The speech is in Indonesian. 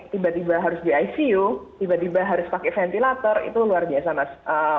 tiba tiba harus di icu tiba tiba harus pakai ventilator itu luar biasa mas